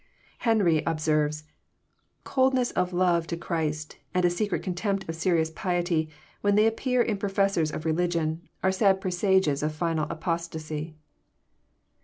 Henry observe, " Coldness of love to Christ, and a secret contempt of serious piety, when they appear in professors of religion, are sad presages of final apostasy."